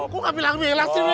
kok gak bilang belas sih